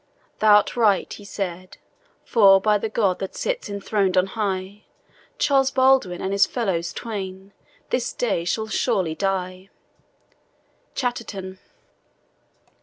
"Thou'rt right," he said, "for, by the God That sits enthron'd on high, Charles Baldwin, and his fellows twain, This day shall surely die." CHATTERTON.